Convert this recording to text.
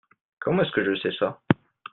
Comment est-ce que je sais ça ?